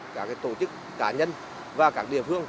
các tổ chức cá nhân và các địa phương